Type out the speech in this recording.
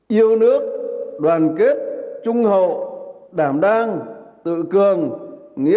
yêu nước đoàn kết trung hậu đảm đang tự cường nghĩa